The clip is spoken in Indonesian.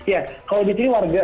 ya kalau di sini warga